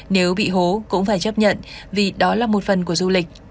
nếu bị hố cũng phải chấp nhận vì đó là một phần của du lịch